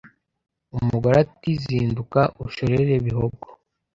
Umugore ati zinduka ushorere Bihogo